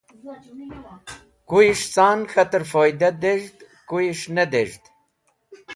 kuyes̃h ca’n k̃hater foyda dez̃hd, kuyes̃h ney dez̃hd.